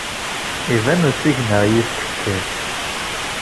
Iban usigna i yis tekkat.